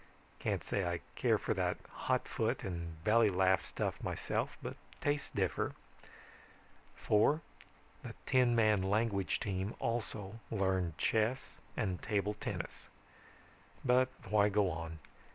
Can't say I care for that hot foot and belly laugh stuff myself, but tastes differ. "Four, the ten man language team also learned chess and table tennis. "But why go on?